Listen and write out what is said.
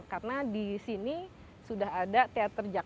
karena di sini sudah ada teater kaya gila